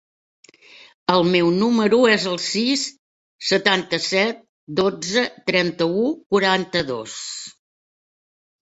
El meu número es el sis, setanta-set, dotze, trenta-u, quaranta-dos.